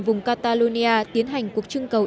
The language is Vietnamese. vùng catalonia tiến hành cuộc trưng cầu